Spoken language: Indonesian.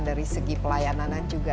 dari segi pelayanan juga